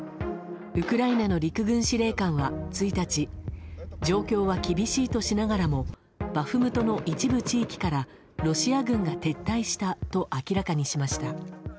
ウクライナの陸軍司令官は１日状況は厳しいとしながらもバフムトの一部地域からロシア軍が撤退したと明らかにしました。